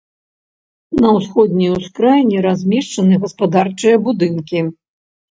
На ўсходняй ускраіне размешчаны гаспадарчыя будынкі.